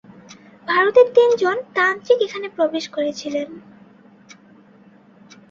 ভারতের তিনজন তান্ত্রিক এখানে প্রবেশ করেছিলেন।